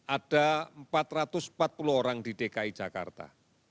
ada empat ratus empat puluh orang di dki jakarta